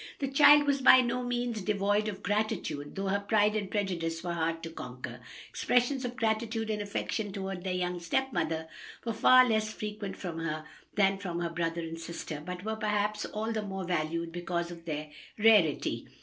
The child was by no means devoid of gratitude, though her pride and prejudice were hard to conquer. Expressions of gratitude and affection toward their young stepmother were far less frequent from her than from her brother and sister, but were perhaps all the more valued because of their rarity.